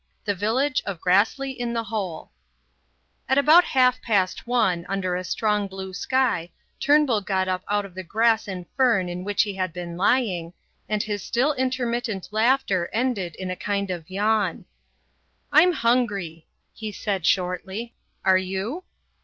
THE VILLAGE OF GRASSLEY IN THE HOLE At about half past one, under a strong blue sky, Turnbull got up out of the grass and fern in which he had been lying, and his still intermittent laughter ended in a kind of yawn. "I'm hungry," he said shortly. "Are you?"